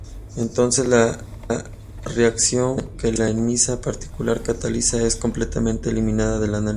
Entonces, la reacción que la enzima particular cataliza es completamente eliminada del análisis.